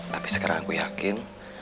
tapi sekarang aku yakin